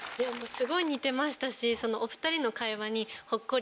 すごい似てましたし。